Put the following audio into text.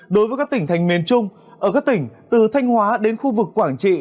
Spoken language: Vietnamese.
đối với các tỉnh thành miền trung ở các tỉnh từ thanh hóa đến khu vực quảng trị